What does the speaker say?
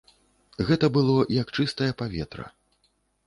Гэта было як чыстае паветра.